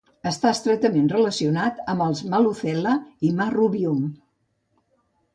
Està estretament relacionat amb els "Moluccella" i "Marrubium".